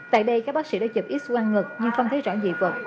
tại đây các bác sĩ đã chụp xoay ngực nhưng không thấy rõ dị vật